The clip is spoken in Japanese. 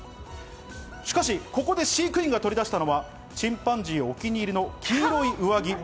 しかし、ここで飼育員が取り出したのはチンパンジーお気に入りの黄色い上着。